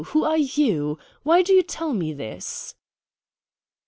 Who are you? Why do you tell me this?"